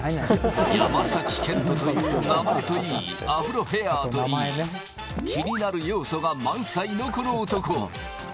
山崎賢人という名前といい、アフロヘアーといい、気になる要素が満載の、この男。